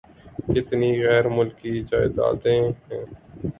کتنی غیر ملکی جائیدادیں ہیں۔